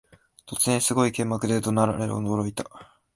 突然、すごい剣幕で怒鳴られ驚いた